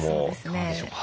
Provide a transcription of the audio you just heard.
そうですね。